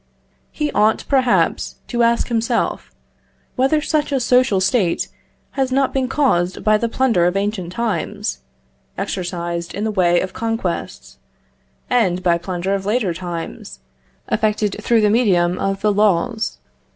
He ought, perhaps, to ask himself, whether such a social state has not been caused by the plunder of ancient times, exercised in the way of conquests; and by plunder of later times, effected through the medium of the laws?